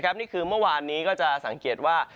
นี่คือเมื่อวานนี้ก็จะสังเกตว่า